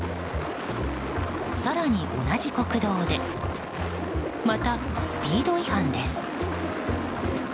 更に、同じ国道でまたスピード違反です。